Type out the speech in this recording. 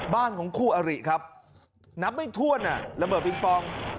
บ้านของคู่อริครับนับไม่ถ้วนระเบิดปิงปอง